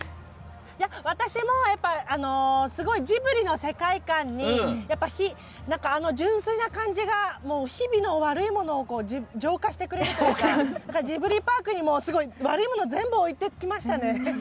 私も、すごいジブリの世界観に純粋な感じが日々の悪いものを浄化してくれるというかジブリパークにすごい、悪いもの全部置いてきましたね。